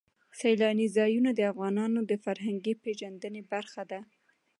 سیلاني ځایونه د افغانانو د فرهنګي پیژندنې برخه ده.